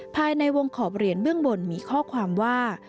ภายในวงขอบเหรียญเบื้องบนมีข้อความว่า